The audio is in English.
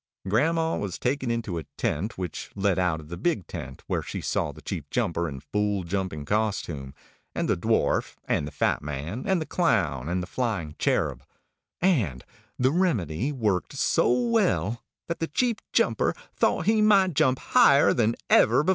Grandma was taken into a tent which led out of the big tent, where she saw the Chief Jumper in full jumping costume, and the Dwarf, and the Fat Man, and the Clown, and the Flying Cherub; and the Remedy worked so well that the Chief Jumper thought he might jump higher than ever before.